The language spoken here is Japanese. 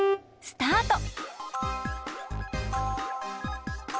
スタート！